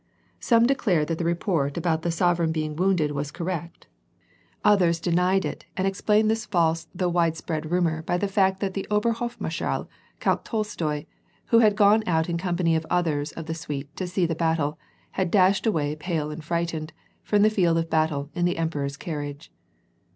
Some declared that the report about the sover War and pMAcK, 861 eign being wounded was correct^ others denied it and ex plained this false though widespread rumor by the fact that the Ober hofmarshal, Count Tolstoi, who had gone out in com pany of others of the suite to see the battle, had dashed away pale and frightened, from the field of battle in the emperor's carriage.